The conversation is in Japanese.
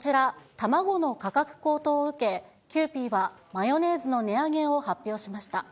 卵の価格高騰を受け、キユーピーは、マヨネーズの値上げを発表しました。